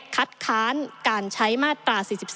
คัดค้านการใช้มาตรา๔๒